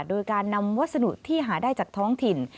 โดยการนำวัสดุที่หาได้จากท้องถิ่น